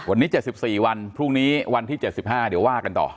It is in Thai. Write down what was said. วันนี้๗๔วันพรุ่งนี้วันที่๗๕เดี๋ยวว่ากันต่อ